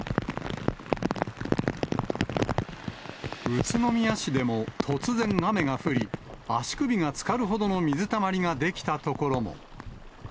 宇都宮市でも突然、雨が降り、足首がつかるほどの水たまりが出来た所も。